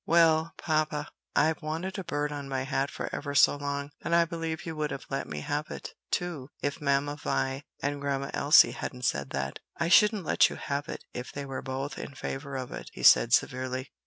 "Well, papa, I've wanted a bird on my hat for ever so long, and I believe you would have let me have it, too, if Mamma Vi and Grandma Elsie hadn't said that." "I shouldn't let you have it, if they were both in favor of it," he said severely.